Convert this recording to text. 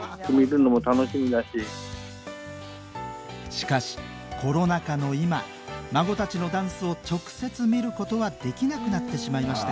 しかしコロナ禍の今孫たちのダンスを直接見ることはできなくなってしまいました